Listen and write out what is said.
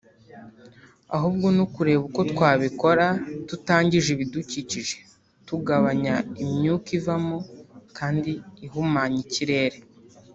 ahubwo no kureba uko twabikora tutangije ibidukikije tugabanya imyuka ivamo kandi ihumanya ikirere